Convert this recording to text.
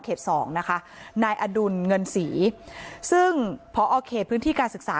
สองนะคะนายอดุลเงินศรีซึ่งพอเขตพื้นที่การศึกษา